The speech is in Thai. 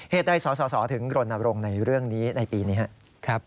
เพธให้สสถึงโรนตรงในร่วมนี้ในปีนี้ครับ